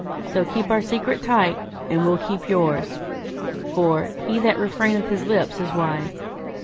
So keep our secret tight, and we'll keep yours, for "he that refraineth his lips is wise".'